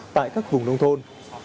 tại các vùng nông thôn